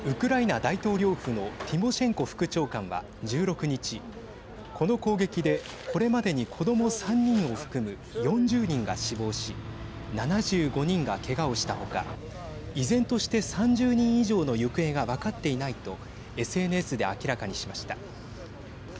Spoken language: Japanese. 大統領府のティモシェンコ副長官は１６日、この攻撃でこれまでに子ども３人を含む４０人が死亡し７５人がけがをした他依然として３０人以上の行方が分かっていないとＳＮＳで明らかにしました。